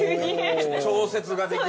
◆調節ができる？